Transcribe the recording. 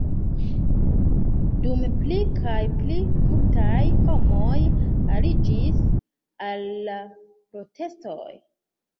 Dume pli kaj pli multaj homoj aliĝis al la protestoj.